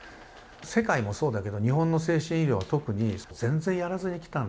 世界もそうだけど日本の精神医療は特に全然やらずにきたんですね。